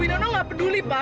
buinono gak peduli pak